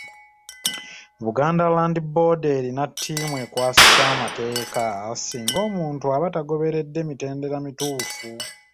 Buganda Land Board erina ttiimu ekwasisa amateeka singa omuntu aba tagoberedde mitendera mituufu.